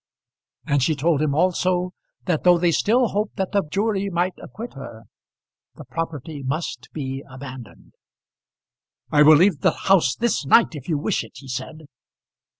And she told him also that though they still hoped that the jury might acquit her, the property must be abandoned. "I will leave the house this night if you wish it," he said.